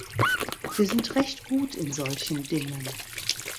Wir sind recht gut in solchen Dingen.